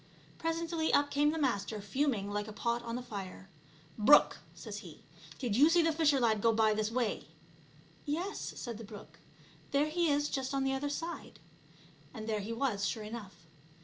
Presently up came the Master, fuming like a pot on the fire. " Brook," says he, " did you see the fisher lad go by this way?" "Yes," said the brook; "there he is just on the other side." And there he was sure enough.